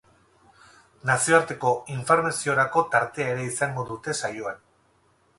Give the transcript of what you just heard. Nazioarteko informaziorako tartea ere izango dute saioan.